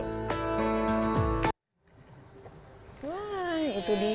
wah itu dia